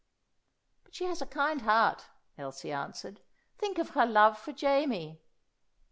"But she has a kind heart," Elsie answered. "Think of her love for Jamie."